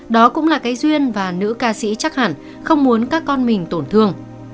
đó cũng là cái duyên và nữ ca sĩ chắc hẳn không muốn các con mình tổn thương